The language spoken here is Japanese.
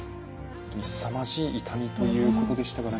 本当にすさまじい痛みということでしたからね。